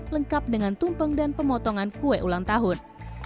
lengkap dengan tumpeng dan pemotongan kue ulang tahun